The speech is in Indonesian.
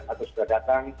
atau sudah datang